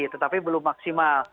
tetapi belum maksimal